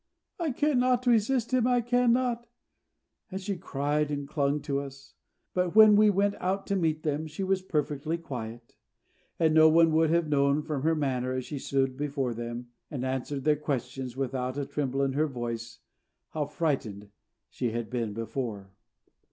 "I cannot resist him! I cannot!" and she cried and clung to us. But when we went out to meet them, she was perfectly quiet; and no one would have known from her manner as she stood before them, and answered their questions, without a tremble in her voice, how frightened she had been before.